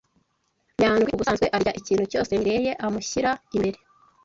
Nyandwi ubusanzwe arya ikintu cyose Mirelle amushyira imbere.